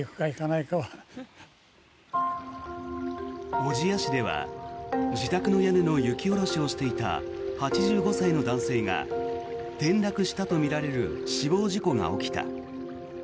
小千谷市では自宅の屋根の雪下ろしをしていた８５歳の男性が転落したとみられる死亡事故が起きた。